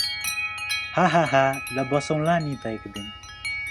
हा हा हा ल बसौंला नि त एकदिन।